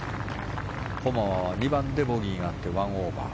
ホマは２番でボギーがあって１オーバー。